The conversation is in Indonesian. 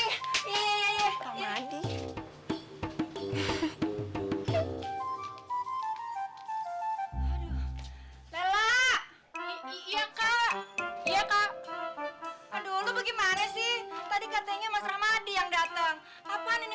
lela iya kak iya kak aduh lu bagaimana sih tadi katanya mas rahmadi yang datang apaan ini